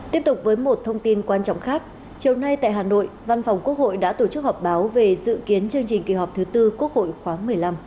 tiếp tục với một thông tin quan trọng khác chiều nay tại hà nội văn phòng quốc hội đã tổ chức họp báo về dự kiến chương trình kỳ họp thứ tư quốc hội khoáng một mươi năm